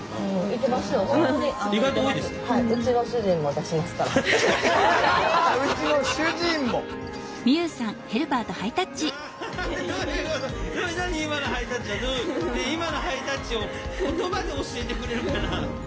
今のハイタッチを言葉で教えてくれるかな？